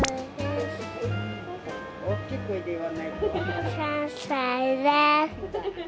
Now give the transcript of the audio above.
大きい声で言わないと。